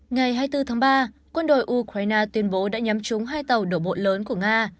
ngày hai mươi bốn tháng ba quân đội ukraine tuyên bố đã nhắm trúng hai tàu đổ bộ lớn của nga